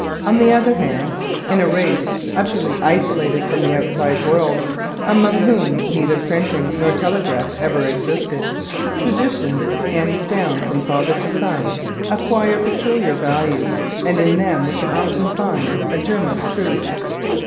On the other hand, in a race utterly isolated from the outside world, among whom neither printing nor telegraph ever existed, traditions handed down from father to son acquire peculiar value; and in them we can often find a germ of truth.